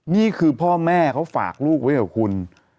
นี่คือพ่อแม่เขาฝากลูกไว้กับคุณ